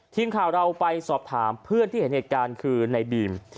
ทีมข่าวเราไปสอบถามเพื่อนที่เห็นเหตุการณ์คือในบีม